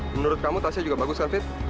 menurut kamu tasnya juga bagus kan fit